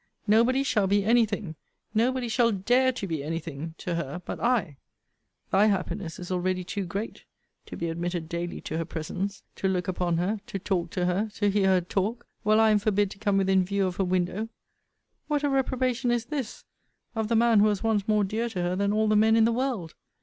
Nobody shall be any thing, nobody shall dare to be any thing, to her, but I thy happiness is already too great, to be admitted daily to her presence; to look upon her, to talk to her, to hear her talk, while I am forbid to come within view of her window What a reprobation is this, of the man who was once more dear to her than all the men in the world!